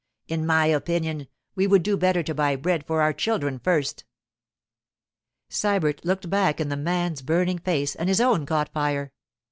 In my opinion, we would do better to buy bread for our children first.' Sybert looked back in the man's burning face, and his own caught fire.